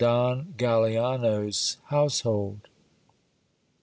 i Galiands household.